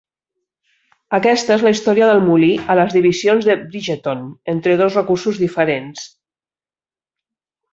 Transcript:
Aquesta és la història del molí a les divisions de Bridgeton entre dos recursos diferents.